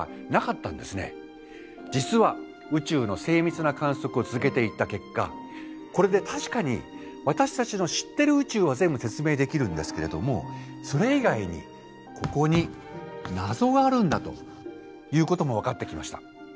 実は宇宙の精密な観測を続けていった結果これで確かに私たちの知ってる宇宙は全部説明できるんですけれどもそれ以外にここに謎があるんだということも分かってきました。